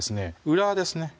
裏ですね